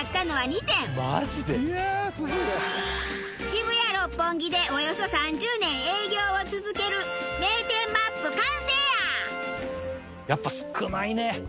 渋谷六本木でおよそ３０年営業を続ける名店ＭＡＰ完成や！